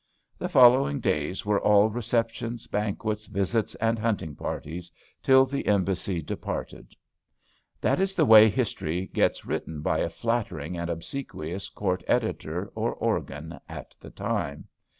The following days were all receptions, banquets, visits, and hunting parties, till the embassy departed." That is the way history gets written by a flattering and obsequious court editor or organ at the time.